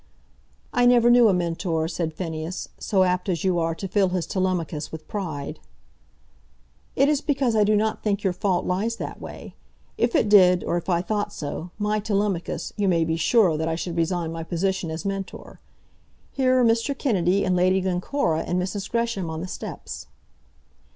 "I never knew a Mentor," said Phineas, "so apt as you are to fill his Telemachus with pride." "It is because I do not think your fault lies that way. If it did, or if I thought so, my Telemachus, you may be sure that I should resign my position as Mentor. Here are Mr. Kennedy and Lady Glencora and Mrs. Gresham on the steps."